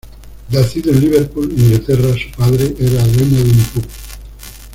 Nacido en Liverpool, Inglaterra, su padre era dueño de un pub.